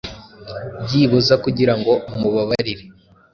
byibuza kugira ngo amubabarire.